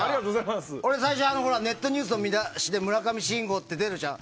俺、ネットニュースの見出しで村上信五って出るじゃん。